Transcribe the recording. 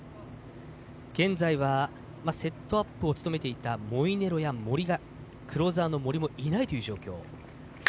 現在はセットアップを務めていたモイネロやクローザーの森もいないという状況です。